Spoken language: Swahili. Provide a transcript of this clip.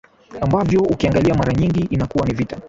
ambavyo ukiangalia mara nyingi inakuwa ni vita